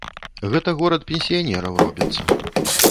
Гэта горад пенсіянераў робіцца.